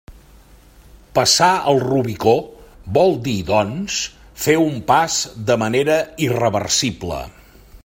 Passar el Rubicó vol dir, doncs, fer un pas de manera irreversible.